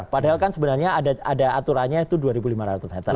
padahal kan sebenarnya ada aturannya itu dua lima ratus meter